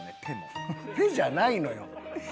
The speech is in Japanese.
「ペ」じゃないのよ。